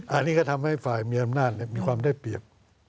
อันนี้ก็ทำให้ฝ่ายมีอำนาจมีความได้เปรียบ